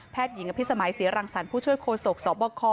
แพทย์หญิงพิสมัยเสียรังสรรค์ผู้ช่วยโคโศกสอบบคอ